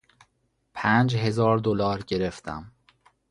پنج هزار دلار گرفتم.